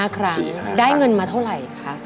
๕ครั้งได้เงินมาเท่าไหร่คะ